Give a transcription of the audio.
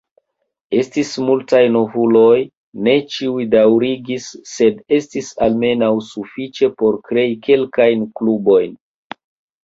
Estis multaj novuloj, ne ĉiuj daŭrigis, sed estis almenaŭ sufiĉe por krei kelkajn klubojn.